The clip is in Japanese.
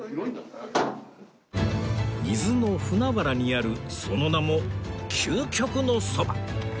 伊豆の船原にあるその名も究極のそば